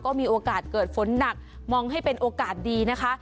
ก็มีโอกาสเกิดฝนหนักมองให้เป็นโอกาสดีนะคะ